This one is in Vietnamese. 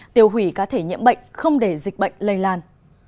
tiêu hủy cá thể nhiễm bệnh không để dịch bệnh lây lan